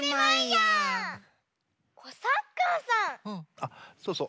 あっそうそう。